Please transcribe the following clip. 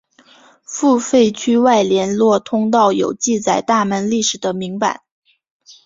付费区外联络通道有记载大门历史的铭版。